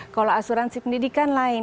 kalau asuransi pendidikan lain